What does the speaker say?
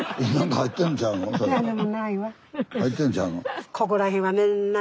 入ってんちゃうの？